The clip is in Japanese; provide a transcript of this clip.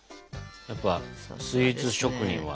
やっぱスイーツ職人は。